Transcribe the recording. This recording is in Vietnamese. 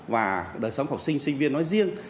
và đời sống học sinh sinh viên nói riêng